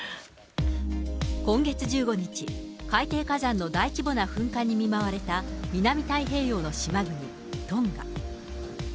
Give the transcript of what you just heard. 今月１５日、海底火山の大規模な噴火に見舞われた南太平洋の島国、トンガ。